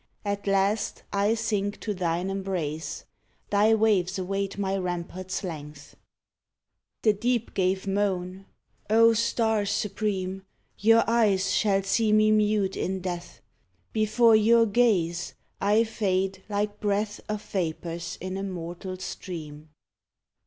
At last I sink to thine embrace; Thy waves await my ramparts' length." The deep gave moan: "O stars supreme I Your eyes shall see me mute in death. Before your gaze I fade like breath Of vapors in a mortal's dream."